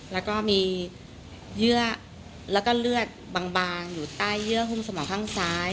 แล้วก็มีเลือดบางอยู่ใต้เยื่อหุ้มสมองข้างซ้าย